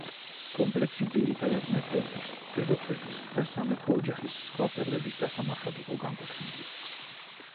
კომპლექსი ძირითადად მეფეების, დედოფლების და სამეფო ოჯახის სხვა წევრების დასამარხად იყო განკუთვნილი.